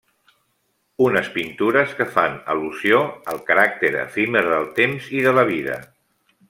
Unes pintures que fan al·lusió al caràcter efímer del temps i de la vida.